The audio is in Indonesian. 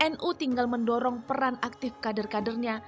nu tinggal mendorong peran aktif kader kadernya